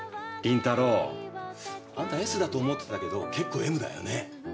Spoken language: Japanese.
凛太郎。あんたＳだと思ってたけど結構Ｍだよね？